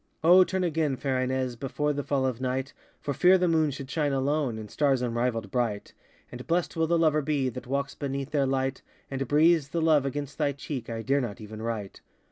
O turn again, fair Ines, Before the fall of night, For fear the moon should shine alone, And stars unrivalltd bright; And blessed will the lover be That walks beneath their light, And breathes the love against thy cheek I dare not even write!